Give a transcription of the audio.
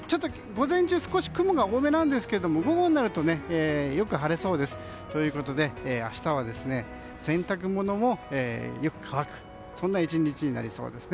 午前中少し雲が多めなんですけど午後になるとよく晴れそうです。ということで明日は洗濯物もよく乾くそんな１日になりそうです。